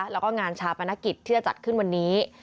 แล้วก็งานชาปนกิจที่จะจัดขึ้นวันนี้